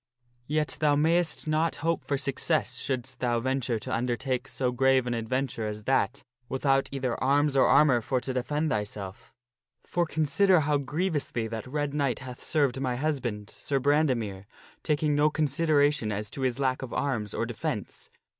Yet thou mayst not hope for success shouldst thou venture to undertake so grave an adventure as that without either arms or armor for to defend thyself. For consider how grievously that Red Knight hath served my husband, Sir Brandemere, taking no consideration as to his lack of arms or defence.